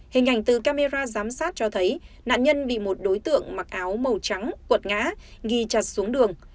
hình ảnh từ camera giám sát cho thấy nạn nhân bị một đối tượng mặc áo màu trắng cuột ngã ghi chật xuống đường